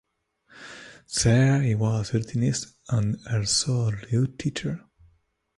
There he was a lutenist and also lute teacher.